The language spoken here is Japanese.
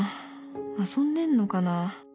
遊んでんのかな